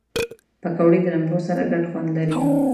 پکورې د لمبو سره ګډ خوند لري